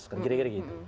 kan gira gira gitu